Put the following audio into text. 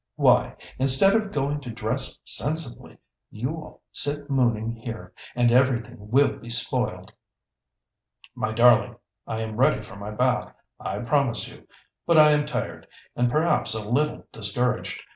Why, instead of going to dress sensibly, you sit mooning here, and everything will be spoiled." "My darling! I am ready for my bath, I promise you; but I am tired, and perhaps a little discouraged.